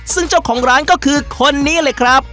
ซึ่งเจ้าของร้านก็คือคนนี้เลยครับ